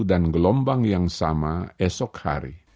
dan gelombang yang sama esok hari